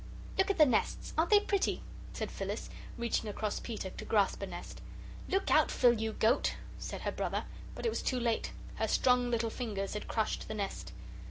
"Look at the nests aren't they pretty?" said Phyllis, reaching across Peter to grasp a nest. "Look out, Phil, you goat," said her brother. But it was too late; her strong little fingers had crushed the nest.